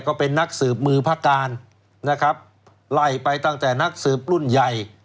ก็เป็นนักสืบมือพระการนะครับไล่ไปตั้งแต่นักสืบรุ่นใหญ่